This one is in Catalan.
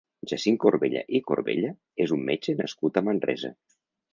Jacint Corbella i Corbella és un metge nascut a Manresa.